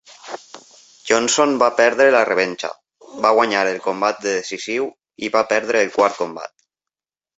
Johnson va perdre la revenja, va guanyar el combat de decisiu i va perdre el quart combat.